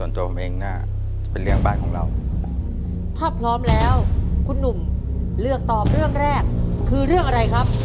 ถ้าพร้อมแล้วคุณหนุ่มเลือกตอบเรื่องแรกคือเรื่องอะไรครับ